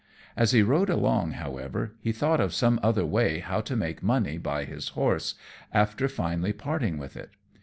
As he rode along, however, he thought of some other way how to make money by his horse, before finally parting with it.